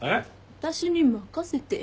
私に任せてよ。